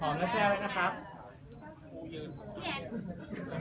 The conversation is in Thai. หอมแล้วแช่ไว้นะครับ